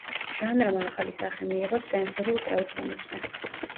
ჟანრმა ახალი სახე მიიღო სენსორულ ტელეფონებზე.